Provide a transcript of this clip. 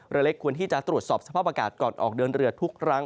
เรือเล็กควรที่จะตรวจสอบสภาพอากาศก่อนออกเดินเรือทุกครั้ง